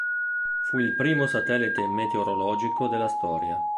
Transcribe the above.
Fu il primo satellite meteorologico della storia.